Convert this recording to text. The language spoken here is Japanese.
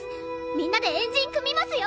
みんなで円陣組みますよ！